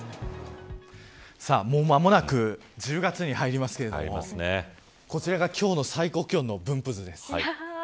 もう間もなく１０月に入りますけどこちらが今日の最高気温の分布図です。